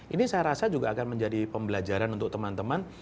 ini saya rasa juga akan menjadi pembelajaran untuk teman teman